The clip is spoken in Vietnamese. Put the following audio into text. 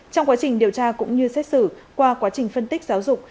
trong quá trình điều tra cũng như xét xử qua quá trình phân tích giáo dục